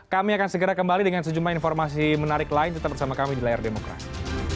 kami akan segera kembali dengan sejumlah informasi menarik lain tetap bersama kami di layar demokrasi